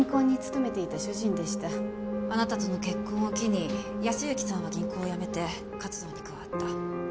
あなたとの結婚を機に靖之さんは銀行を辞めて活動に加わった。